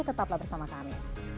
tetaplah bersama kami